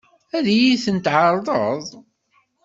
Ad iyi-ten-tɛeṛḍeḍ?